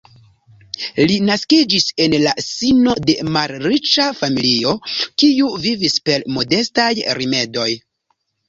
Li naskiĝis en la sino de malriĉa familio kiu vivis per modestaj rimedoj.